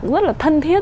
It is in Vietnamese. rất là thân thiết